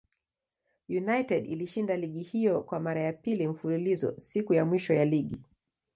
United ilishinda ligi hiyo kwa mara ya pili mfululizo siku ya mwisho ya ligi.